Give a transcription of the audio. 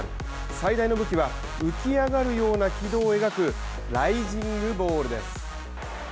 最大の武器は浮き上がるような軌道を描くライジングボールです。